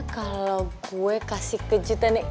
kalo gue kasih kejutan